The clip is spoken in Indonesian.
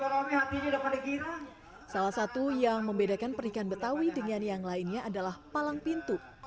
pengantin betawi yang berada di dalam peti ini adalah yang berada di dalam peti ini salah satu yang membedakan pernikahan betawi dengan yang lainnya adalah palang pintu